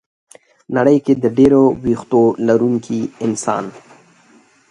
ه نړۍ کې د ډېرو وېښتو لرونکي انسان